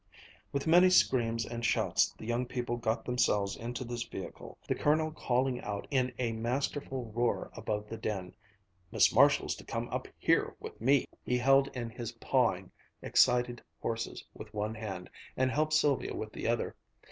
With many screams and shouts the young people got themselves into this vehicle, the Colonel calling out in a masterful roar above the din, "Miss Marshall's to come up here with me!" He held in his pawing, excited horses with one hand and helped Sylvia with the other.